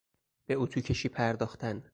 به اطو کشی پرداختن